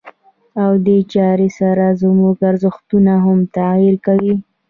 او دې چارې سره زموږ ارزښتونه هم تغيير کوي.